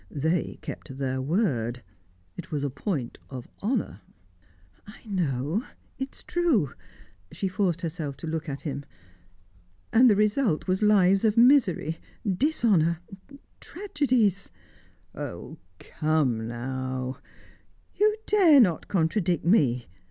They kept their word; it was a point of honour." "I know; it is true." She forced herself to look at him. "And the result was lives of misery dishonour tragedies." "Oh, come now " "You dare not contradict me!"